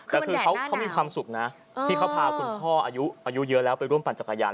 แต่คือเขามีความสุขนะที่เขาพาคุณพ่ออายุเยอะแล้วไปร่วมปั่นจักรยาน